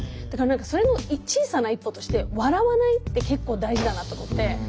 だからそれの小さな一歩として笑わないって結構大事だなと思って。